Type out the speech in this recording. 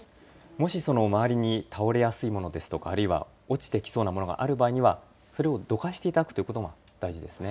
もしその周りに倒れやすいものですとかあるいは落ちてきそうなものがある場合にはそれを、どかしていただくことも大事ですね。